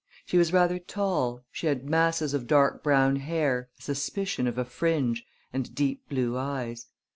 She was rather tall; she had masses of dark brown hair, a suspicion of a fringe, and deep blue eyes.